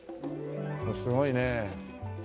すごいねえ。